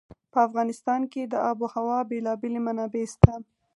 په افغانستان کې د آب وهوا بېلابېلې منابع شته.